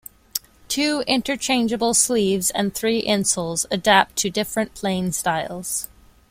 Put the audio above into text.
Two interchangeable sleeves and three insoles adapt to different playing styles.